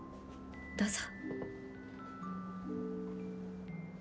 どうぞ。